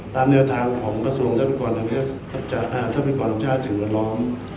ตามเนื้อทางของประสงค์ทัพพิกรรมชาติถือวัดล้อม